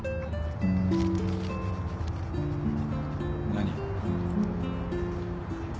何？